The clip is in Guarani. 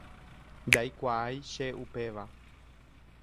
Ndaikuaái che upéva.